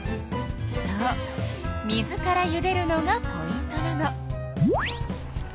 そう水からゆでるのがポイントなの。